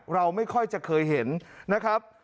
เราไม่ค่อยจะเคยเห็นนะครับ